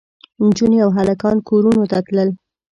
نجونې او هلکان کورونو ته تلل.